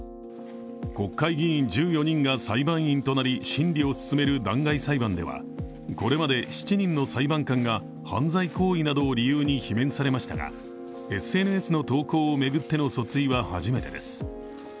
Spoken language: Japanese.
国会議員１４人が裁判員となり審理を進める弾劾裁判ではこれまで７人の裁判官が犯罪行為などを理由に罷免されましたがＳＮＳの投稿を巡っての訴追は初めてです。